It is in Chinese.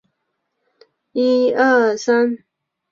勃艮第公爵宫是法国城市第戎一组保存非常完好的建筑群。